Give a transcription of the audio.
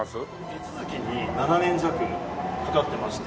手続きに７年弱かかってまして。